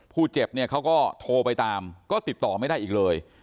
ผู้เจ็บเนี่ยเขาก็โทรไปตามก็ติดต่อไม่ได้อีกเลย